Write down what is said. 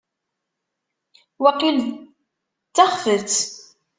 Waqil d taxfet.